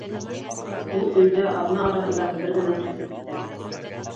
Ул өйгә аҙна араһында бер генә ҡайтып китә.